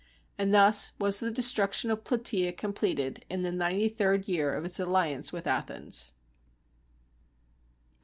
And thus was the destruction of Plataea completed in the ninety third year of its alliance with Athens.